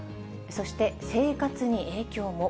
そして生活に影響も。